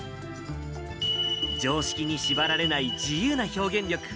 常識に縛られない自由な表現力。